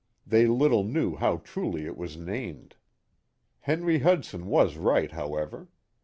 They little knew how truly it was named. Henry Hudson was right, however.